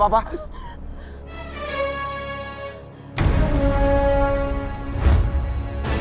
olah masih lama tai